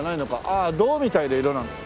ああ銅みたいな色なんだ。